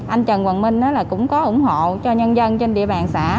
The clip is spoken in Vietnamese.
anh trần quảng minh cũng có ủng hộ cho nhân dân trên địa bàn xã